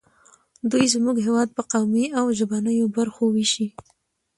دوی زموږ هېواد په قومي او ژبنیو برخو ویشي